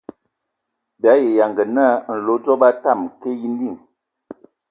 Bii ayi yanga naa nlodzobo a tamǝ ka yimbi.